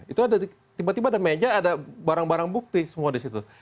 itu ada tiba tiba ada meja ada barang barang bukti semua di situ